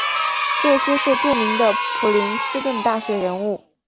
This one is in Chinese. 这些是著名的普林斯顿大学人物。